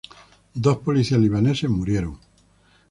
Dos policías libaneses murieron.